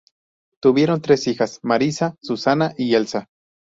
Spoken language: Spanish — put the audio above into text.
Tuvieron tres hijas, Marisa, Susana y Elsa.